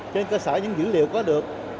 trên cơ sở những dữ liệu có được